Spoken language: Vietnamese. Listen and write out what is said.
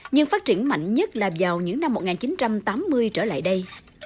nhưng phát triển mạnh nhất là vào những năm một nghìn chín trăm tám mươi trở lại đây